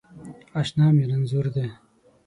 اشنا می رنځور دی